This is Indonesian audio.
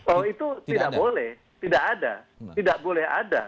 oh itu tidak boleh tidak ada tidak boleh ada